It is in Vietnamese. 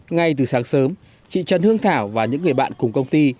ngay từ sáng sớm chị trần hương thảo và những người bạn cùng công ty